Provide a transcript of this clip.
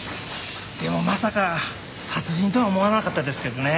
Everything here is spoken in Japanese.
でもまさか殺人とは思わなかったですけどね。